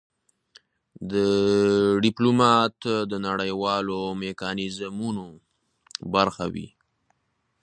ډيپلومات د نړېوالو میکانیزمونو برخه وي.